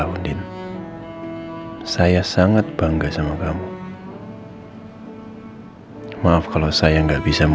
tapi di luar kamu bisa menjadi seorang pengajar yang hebat di mata anak diri kamu